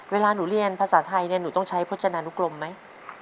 เวลาหนูเรียนภาษาไทยเนี่ยหนูต้องใช้พจนานุกรมไหม